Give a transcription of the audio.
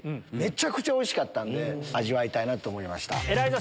めちゃくちゃおいしかったんで味わいたいなと思いました。